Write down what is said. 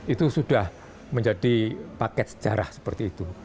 itu sudah menjadi paket sejarah seperti itu